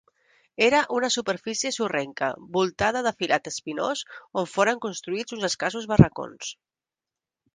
Era una superfície sorrenca voltada de filat espinós on foren construïts uns escassos barracons.